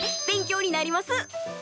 勉強になります！